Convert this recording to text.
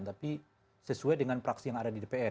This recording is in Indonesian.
tapi sesuai dengan praksi yang ada di dpr